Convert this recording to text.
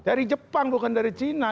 dari jepang bukan dari china